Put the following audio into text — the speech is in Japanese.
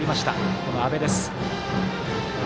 この阿部です。